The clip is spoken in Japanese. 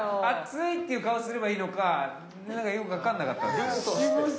暑いっていう顔すればいいのかなんかよくわかんなかったんですよ。